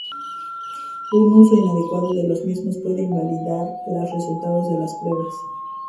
Un uso inadecuado de los mismos puede invalidar los resultados de las pruebas.